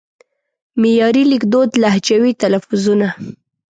معیاري لیکدود لهجوي تلفظونه